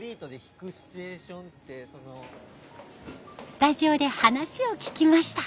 スタジオで話を聞きました。